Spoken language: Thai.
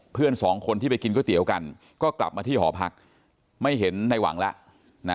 เพื่อนสองคนที่ไปกินก๋วยเตี๋ยวกันก็กลับมาที่หอพักไม่เห็นในหวังแล้วนะ